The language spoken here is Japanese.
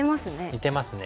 似てますね。